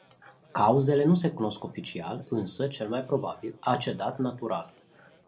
Cauzele nu se cunosc oficial, însă, cel mai probabil, a cedat natural.